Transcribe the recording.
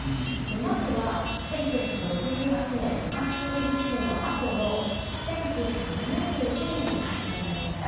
まずは１９６８年、十勝沖地震のあとの１９７１年に改正がありました。